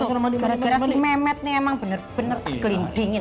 gara gara si mehmet nih emang bener bener tak kelindingin